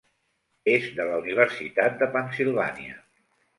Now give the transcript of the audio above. És de la Universitat de Pennsylvania.